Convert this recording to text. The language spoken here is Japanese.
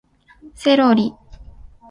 セロリ